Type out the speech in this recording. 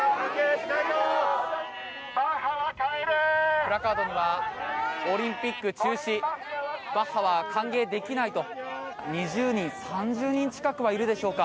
プラカードにはオリンピック中止バッハは歓迎できないと２０人、３０人近くはいるでしょうか。